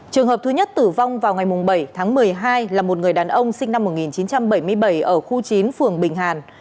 trường hợp thứ nhất tử vong vào ngày bảy tháng một mươi hai là một người đàn ông sinh năm một nghìn chín trăm bảy mươi bảy ở khu chín phường bình hàn